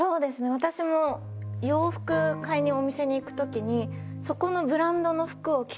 私も洋服買いにお店に行く時に。